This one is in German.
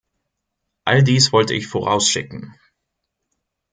All dies wollte ich vorausschicken.